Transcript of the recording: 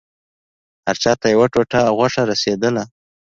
هر چا ته يوه ټوټه غوښه رسېدله.